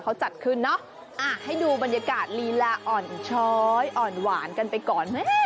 เขาจัดขึ้นเนอะให้ดูบรรยากาศลีลาอ่อนช้อยอ่อนหวานกันไปก่อนไหม